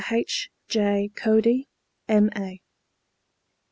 H. J. CODY, M.A.